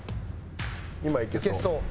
今いけそう。